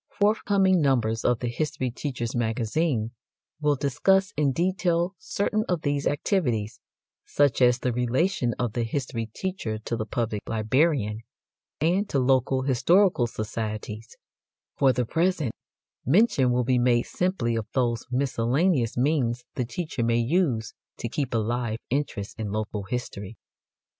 Forthcoming numbers of THE HISTORY TEACHER'S MAGAZINE will discuss in detail certain of these activities, such as the relation of the history teacher to the public librarian, and to local historical societies; for the present, mention will be made simply of those miscellaneous means the teacher may use to keep alive interest in local history.